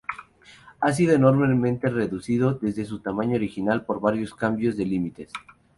Ha sido enormemente reducido desde su tamaño original por varios cambios de límites.